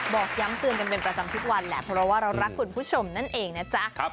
บอกย้ำเตือนกันเป็นประจำทุกวันแหละเพราะว่าเรารักคุณผู้ชมนั่นเองนะจ๊ะ